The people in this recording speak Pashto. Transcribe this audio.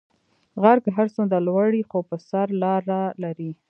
غر که هر څونده لوړ یی خو پر سر لاره لری